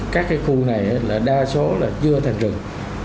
các khu này đa số chưa thành rừng